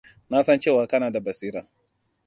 Nasan cewa kana da basira.